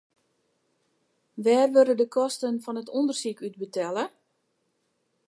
Wêr wurde de kosten fan it ûndersyk út betelle?